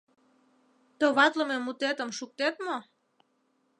— Товатлыме мутетым шуктет мо?